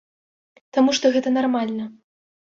Таму што гэта нармальна.